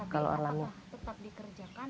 tapi tetap dikerjakan